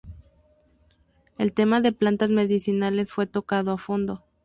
El tema de plantas medicinales fue tocado a fondo.